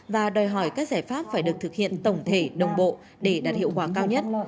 và đòi hỏi các giải pháp phải được thực hiện tổng thể đồng bộ để đạt hiệu quả cao nhất